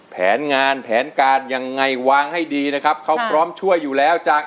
แผนงานแผนการยังไงวางให้ดีนะครับเขาพร้อมช่วยอยู่แล้วจาก